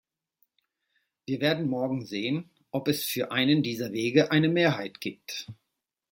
Wir werden morgen sehen, ob es für einen dieser Wege eine Mehrheit gibt.